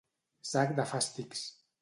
Sac de fàstics.